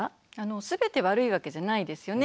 全て悪いわけじゃないですよね。